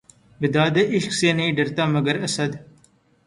بیدادِ عشق سے نہیں ڈرتا، مگر اسد!